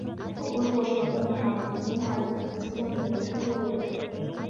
وَكُلُوا وَاشْرَبُوا مَا حَرَّمْتُمُوهُ عَلَى أَنْفُسِكُمْ مِنْ اللَّحْمِ وَالْوَدَكِ